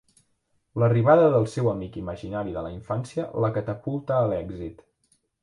L'arribada del seu amic imaginari de la infància la catapulta a l'èxit.